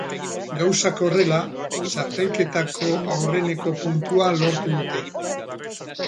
Gauzak horrela, txapelketako aurreneko puntua lortu dute.